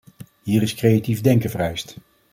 Hier is creatief denken vereist.